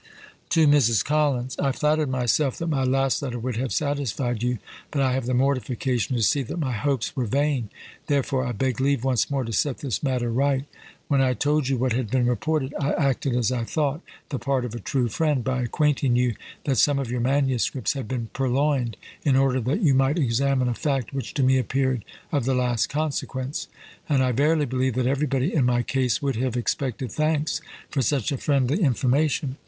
TO MRS. COLLINS. I flattered myself that my last letter would have satisfied you, but I have the mortification to see that my hopes were vain. Therefore I beg leave once more to set this matter right. When I told you what had been reported, I acted, as I thought, the part of a true friend, by acquainting you that some of your MSS. had been purloined, in order that you might examine a fact which to me appeared of the last consequence; and I verily believe that everybody in my case would have expected thanks for such a friendly information.